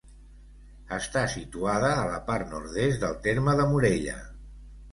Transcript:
Està situada a la part nord-est del terme de Morella.